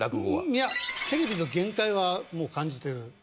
いやテレビの限界はもう感じてる。